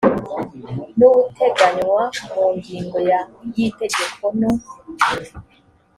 n ubuteganywa mu ngingo ya y itegeko no